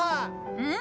うん？